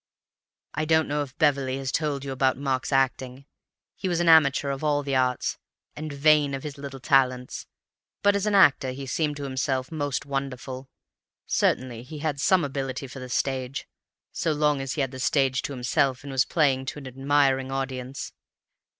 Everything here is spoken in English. "I don't know if Beverley has told you about Mark's acting. He was an amateur of all the arts, and vain of his little talents, but as an actor he seemed to himself most wonderful. Certainly he had some ability for the stage, so long as he had the stage to himself and was playing to an admiring audience.